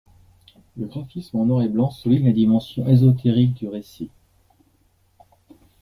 Le graphisme en noir et blanc souligne la dimension ésotérique du récit.